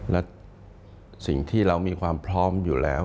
และสิ่งที่เรามีความพร้อมอยู่แล้ว